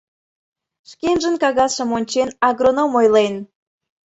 — шкенжын кагазшым ончен, агроном ойлен.